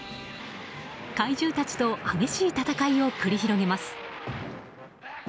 怪獣たちと激しい戦いを繰り広げます。